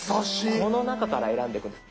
この中から選んでいくんです。